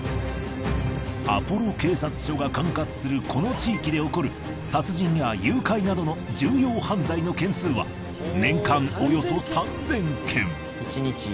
アポロ警察署が管轄するこの地域で起こる殺人や誘拐などの重要犯罪の件数は年間およそ３，０００件。